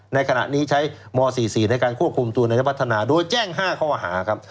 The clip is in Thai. ในขณะนี้ใช้ม๔๔ในการควบคุมตัวนายพัฒนาโดยแจ้ง๕ข้อหาครับ